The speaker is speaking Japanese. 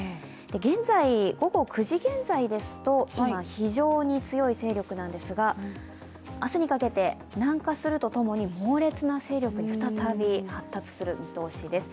現在、午後９時現在ですと、非常に強い勢力なんですが、明日にかけて南下すると共に猛烈な勢力に再び発達する見通しです。